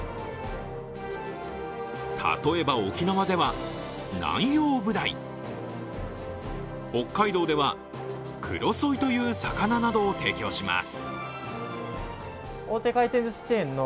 例えば沖縄ではナンヨウブダイ、北海道ではクロソイという魚などを提供します。